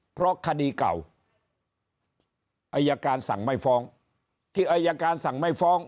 เพราะคดีเก่าอายการสั่งไม่ฟ้องที่อายการสั่งไม่ฟ้อง